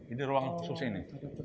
ini ruang susu ini